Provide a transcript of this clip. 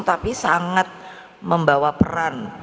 tapi sangat membawa peran